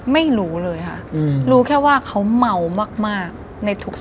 ไม่รู้เลยค่ะรู้แค่ว่าเขาเมามากในทุกศพ